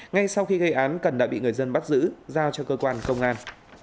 ngay sau khi gây án cần đã bị người dân bắt giữ giao cho cơ quan công an